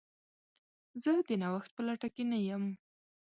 زه د نوښت په لټه کې نه یم.